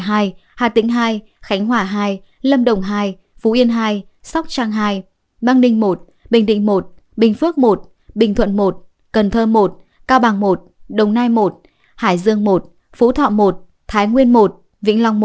hà tĩnh hai khánh hòa hai lâm đồng hai phú yên hai sóc trăng hai băng ninh một bình định i bình phước một bình thuận một cần thơ một cao bằng một đồng nai một hải dương một phú thọ một thái nguyên một vĩnh long một